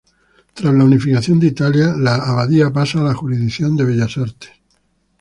Tras la unificación de Italia, la abadía pasa a la jurisdicción de Bellas Artes.